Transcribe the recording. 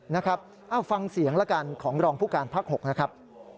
นะครับเอ้าฟังเสียงละกันของรองผู้การพัก๖นะครับ